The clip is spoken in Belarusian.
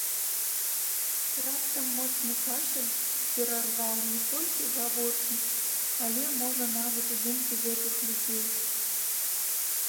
Раптам моцны кашаль перарваў не толькі гаворку, але можа нават і думкі гэтых людзей.